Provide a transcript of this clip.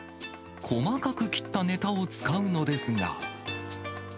細かく切ったネタを使うのですが。